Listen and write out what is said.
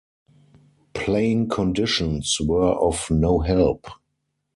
Playing conditions were of no help.